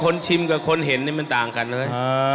ชิมกับคนเห็นนี่มันต่างกันนะ